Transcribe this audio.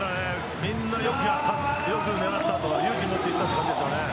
みんなよく狙った勇気を持っていったって感じです。